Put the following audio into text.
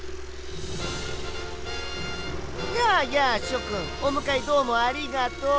やあやあしょくんおむかえどうもありがとう！